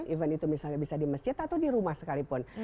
even itu bisa di masjid atau di rumah sekalipun